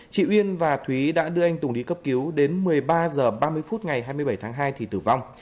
chị uyên và thúy đã đưa anh tùng đi cấp cứu đến một mươi ba h ba mươi phút ngày hai mươi bảy tháng hai thì tử vong